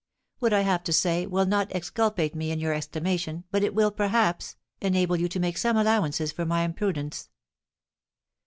What I have to say will not exculpate me in your estimation, but it will, perhaps, enable you to make some allowances for my imprudence."